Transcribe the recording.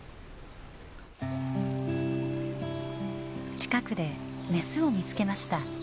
近くでメスを見つけました。